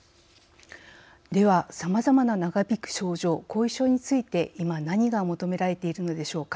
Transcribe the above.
では、さまざまな長引く症状、後遺症について今何が求められているのでしょうか。